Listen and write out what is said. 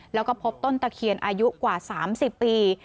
แล้วก็พบต้นตะเคียนอายุกว่า๓๐ปี